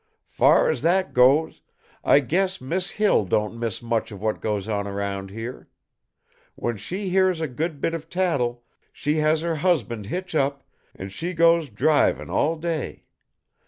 "Far as that goes, I guess Mis' Hill don't miss much of what goes on around here. When she hears a good bit of tattle, she has her husband hitch up, and she goes drivin' all day.